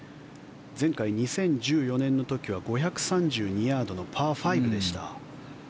前回２０１４年の時には５３２ヤードのパー５でした。